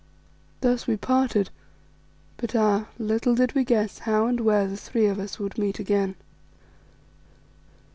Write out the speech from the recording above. Thus we parted, but ah! little did we guess how and where the three of us would meet again.